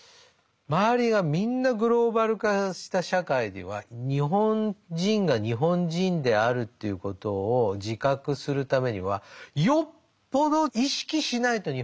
周りがみんなグローバル化した社会では日本人が日本人であるということを自覚するためにはよっぽど意識しないと日本人にはなれないわけ。